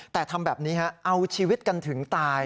แต่ทำแบบนี้ฮะเอาชีวิตกันถึงตาย